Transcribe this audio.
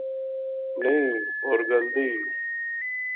نئیں، ہور گل دی